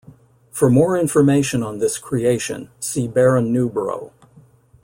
For more information on this creation, see Baron Newborough.